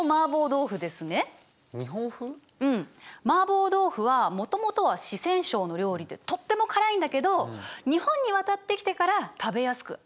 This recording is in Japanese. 麻婆豆腐はもともとは四川省の料理でとっても辛いんだけど日本に渡ってきてから食べやすくアレンジされたんだよ。